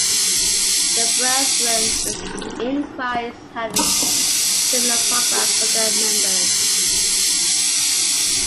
The Brethren in Christ had a similar program for their members.